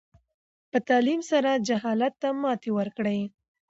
په تعلیم سره جهالت ته ماتې ورکړئ.